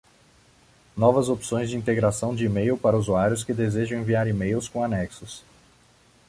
Novas opções de integração de email para usuários que desejam enviar emails com anexos.